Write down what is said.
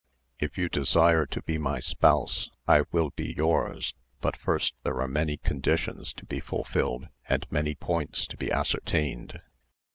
If you desire to be my spouse, I will be yours; but first there are many conditions to be fulfilled, and many points to be ascertained.